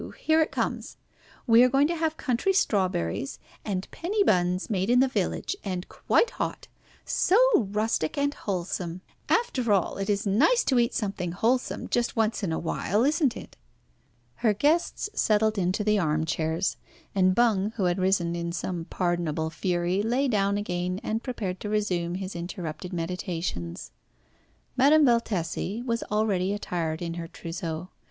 Here it comes. We are going to have country strawberries and penny buns made in the village, and quite hot! So rustic and wholesome! After all, it is nice to eat something wholesome just once in a while, isn't it?" Her guests settled into the arm chairs, and Bung, who had risen in some pardonable fury, lay down again and prepared to resume his interrupted meditations. Madame Valtesi was already attired in her trousseau.